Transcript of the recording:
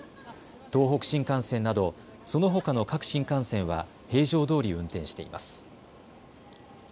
東北新幹線などそのほかの各新幹線は平常どおり運転しています。